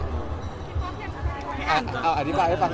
เหมือนว่าเราไดริกไปอ่าน